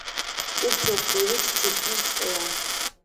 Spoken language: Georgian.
უფრო ქვევით წიფლის ტყეა.